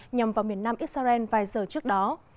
nhằm vào miền nam israel vài giờ trước đó